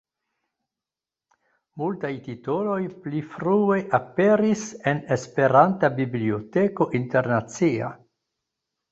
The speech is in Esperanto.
Multaj titoloj pli frue aperis en Esperanta Biblioteko Internacia.